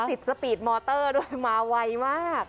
สิทธิ์สปีดมอเตอร์ด้วยมาไวมาก